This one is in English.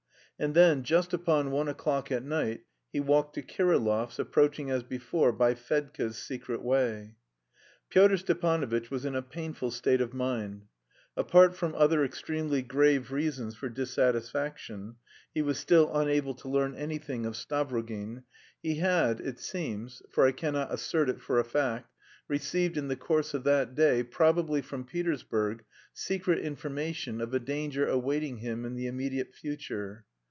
And then just upon one o'clock at night he walked to Kirillov's, approaching as before by Fedka's secret way. Pyotr Stepanovitch was in a painful state of mind. Apart from other extremely grave reasons for dissatisfaction (he was still unable to learn anything of Stavrogin), he had, it seems for I cannot assert it for a fact received in the course of that day, probably from Petersburg, secret information of a danger awaiting him in the immediate future.